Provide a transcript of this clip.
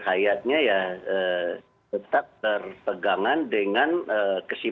kepentinganologue tentang gen popping yang sudah ada di indonesia